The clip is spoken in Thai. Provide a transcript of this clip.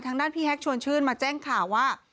ทางด้านพี่แฮกชวนชื่นมาแจ้งข่าวว่า